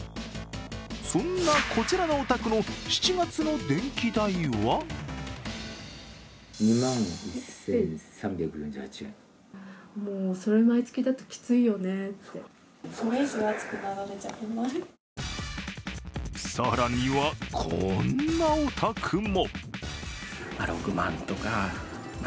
そんなこちらのお宅の７月の電気代は更には、こんなお宅も。